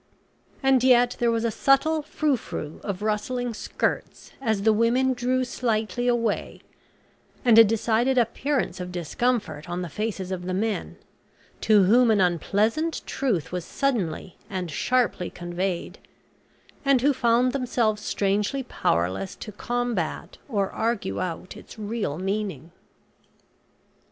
And yet there was a subtle frou frou of rustling skirts as the women drew slightly away, and a decided appearance of discomfort on the faces of the men, to whom an unpleasant truth was suddenly and sharply conveyed, and who found themselves strangely powerless to combat, or argue out its real meaning.